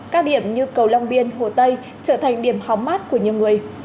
các điểm như cầu long biên hồ tây trở thành điểm hóm mát của nhiều người